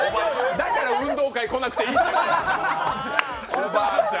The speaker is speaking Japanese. だから運動会来なくていいって！